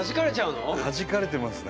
はじかれてますね。